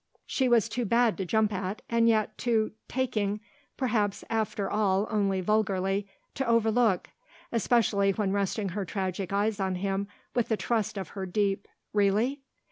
She was too bad to jump at and yet too "taking" perhaps after all only vulgarly to overlook, especially when resting her tragic eyes on him with the trust of her deep "Really?"